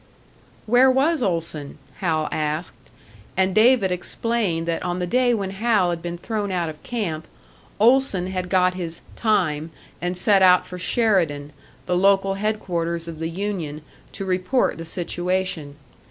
Where was Olson? Hal asked; and David explained that on the day when Hal had been thrown out of camp, Olson had got his "time" and set out for Sheridan, the local headquarters of the union, to report the situation.